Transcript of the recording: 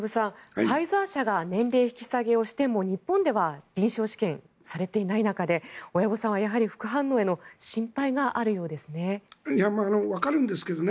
ファイザー社が年齢引き下げをしても日本では臨床試験がされていない中で親御さんは、やはり副反応への心配があるようですね。